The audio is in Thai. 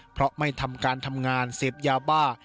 เพราะไม่ทำการทำงานเสพยาบ้า